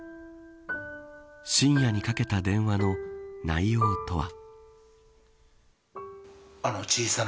深夜にかけた電話の内容とは。